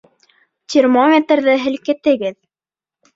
Термометрҙы һелкетегеҙ